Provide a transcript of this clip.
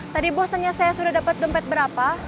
tadi bos tanya saya sudah dapat dompet berapa